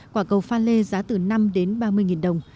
quả cầu pha lê giá từ năm đến ba mươi nghìn đồng